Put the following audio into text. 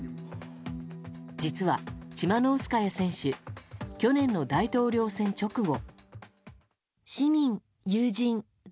実は、チマノウスカヤ選手去年の大統領選直後。